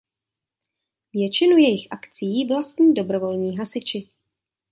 Většinu jejích akcií vlastní dobrovolní hasiči.